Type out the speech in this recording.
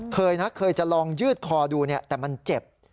เคยนะเคยจะลองยืดคอดูแต่มันเจ็บ